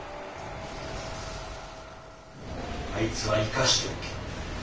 あいつは生かしておけん。